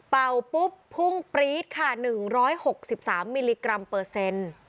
ปุ๊บพุ่งปรี๊ดค่ะ๑๖๓มิลลิกรัมเปอร์เซ็นต์